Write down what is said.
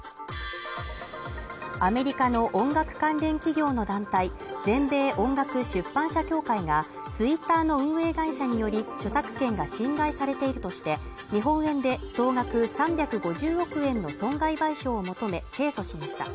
アメリカの音楽関連企業の団体、全米音楽出版社協会がＴｗｉｔｔｅｒの運営会社により、著作権が侵害されているとして、日本円で総額３５０億円の損害賠償を求め提訴しました。